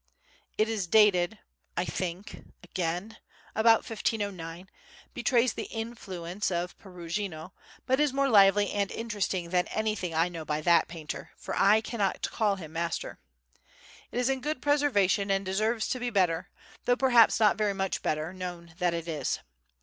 It is dated—I think (again!)—about 1509, betrays the influence of Perugino but is more lively and interesting than anything I know by that painter, for I cannot call him master. It is in good preservation and deserves to be better, though perhaps not very much better, known than it is.